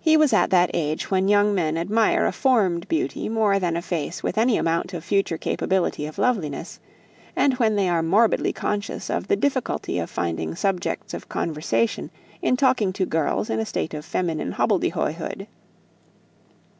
He was at that age when young men admire a formed beauty more than a face with any amount of future capability of loveliness, and when they are morbidly conscious of the difficulty of finding subjects of conversation in talking to girls in a state of feminine hobbledehoyhood.